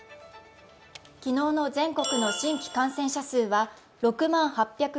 昨日の全国の新規感染者数は６万８４３